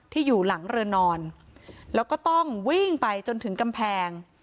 ที่อยู่หลังเรือนอนแล้วก็ต้องวิ่งไปจนถึงกำแพง